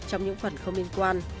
trong những phần không liên quan